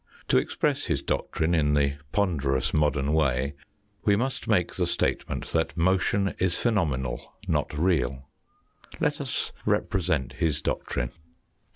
To express his doctrine in the ponderous modern way we must make the statement that motion is phenomenal, not real. Let us represent his doctrine.